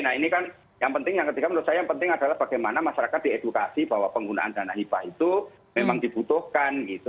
nah ini kan yang penting yang ketiga menurut saya yang penting adalah bagaimana masyarakat diedukasi bahwa penggunaan dana hibah itu memang dibutuhkan gitu